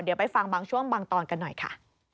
เดี๋ยวไปฟังบางช่วงบางตอนกันหน่อยค่ะ